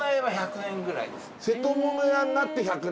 セトモノ屋になって１００年？